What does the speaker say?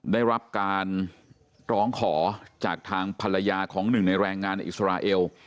ได้รับการร้องขอจากทางภรรยาของหนึ่งในแรงงานอิสราเอล